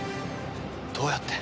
どうやって？